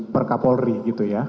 per kapolri gitu ya